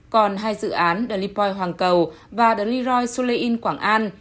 còn hai dự án the palais louis và the palais louis